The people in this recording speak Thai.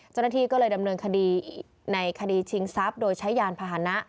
เจ้าหน้าที่ก็เลยดำเนินคดีในคดีชิงทรัพย์โดยใช้ยานพาหนะ